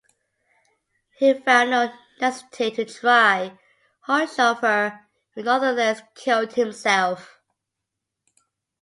He found no necessity to try Haushofer, who nonetheless killed himself.